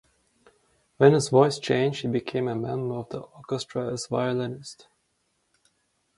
When his voice changed, he became a member of the orchestra as a violinist.